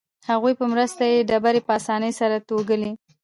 هغوی په مرسته یې ډبرې په اسانۍ سره توږلې.